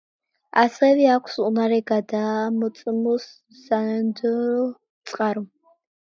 ასევე აქვს უნარი გადაამოწმოს სანდო წყარო.